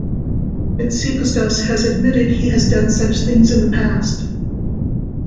Mitsikostas has admitted he has done such things in the past.